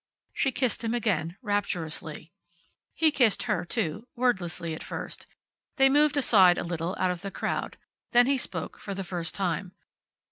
She kissed him again, rapturously. He kissed her, too, wordlessly at first. They moved aside a little, out of the crowd. Then he spoke for the first time.